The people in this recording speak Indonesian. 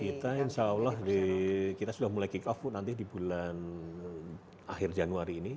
kita insya allah kita sudah mulai kick off bu nanti di bulan akhir januari ini